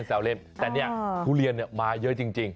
แซวเล่นแต่เนี่ยทุเรียนมาเยอะจริง